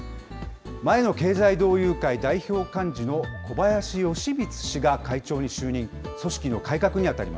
前の経済同友会代表幹事の小林喜光氏が会長に就任。